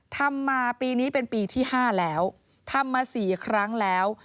ทำมาปีนี้เป็นปีที่๕แล้วทำมา๔ครั้งแล้ว